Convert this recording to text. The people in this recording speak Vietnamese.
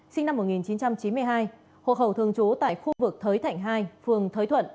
sinh năm một nghìn chín trăm chín mươi hai hộ khẩu thường trú tại khu vực thới thạnh hai phường thới thuận